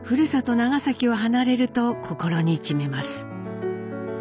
長崎を離れると心に決めます。